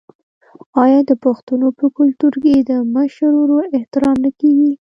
آیا د پښتنو په کلتور کې د مشر ورور احترام نه کیږي؟